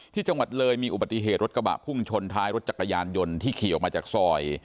ที่จังหวัดเลยมีอุบัติเหตุรถกระบะพุ่งชนท้ายรถจักรยานยนต์ที่ขี่ออกมาจากซอย